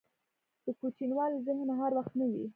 دکوچنیوالي ذهن هر وخت نه وي.